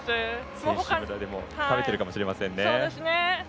選手村でも食べてるかもしれません。